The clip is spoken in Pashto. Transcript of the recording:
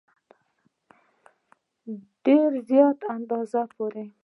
ډېره زیاته اندازه بوره.